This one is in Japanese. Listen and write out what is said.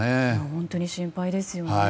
本当に心配ですね。